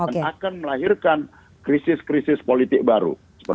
dan akan melahirkan krisis krisis politik baru